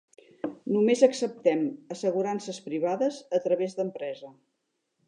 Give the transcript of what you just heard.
Només acceptem assegurances privades a través d'empresa.